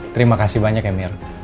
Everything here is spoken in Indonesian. terima kasih banyak ya mir